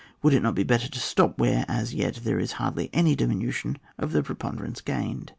Would it not be better to stop where as yet there is hardly any diminution of the preponderance gained